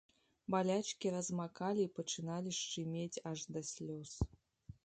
Балячкі размакалі і пачыналі шчымець аж да слёз.